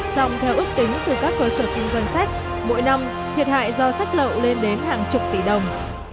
xong theo ước tính từ các cơ sở kinh doanh sách mỗi năm thiệt hại do sách lậu lên đến hàng chục tỷ đồng